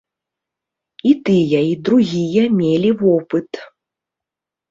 І тыя, і другія мелі вопыт.